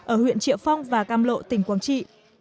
ở huyện triệu phong và cam lộ tỉnh quảng trị